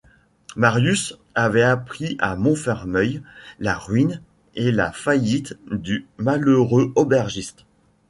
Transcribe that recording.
Marius avait appris à Montfermeil la ruine et la faillite du malheureux aubergiste.